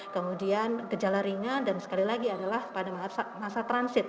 kemudian gejala ringan dan sekali lagi adalah pada masa transit